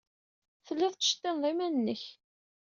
Telliḍ tettceṭṭineḍ iman-nnek.